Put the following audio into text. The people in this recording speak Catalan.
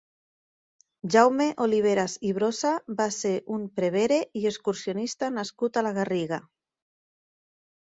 Jaume Oliveras i Brossa va ser un prevere i excursionista nascut a la Garriga.